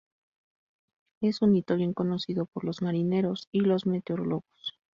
Es un hito bien conocido por los marineros y los meteorólogos.